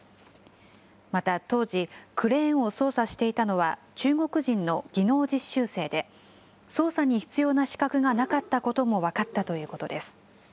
また当時、クレーンを操作していたのは中国人の技能実習生で、操作に必要な資格がなかったことも分かったということです。